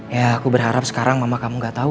ya aku berharap sekarang mama kamu gak tahu